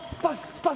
パス！